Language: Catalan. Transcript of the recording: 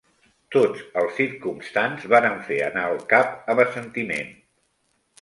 Tots els circumstants varen fer anar el cap amb assentiment